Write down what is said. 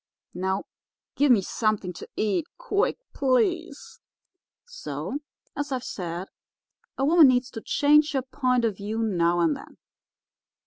Now give me something to eat, quick, please.' "So, as I've said, a woman needs to change her point of view now and then.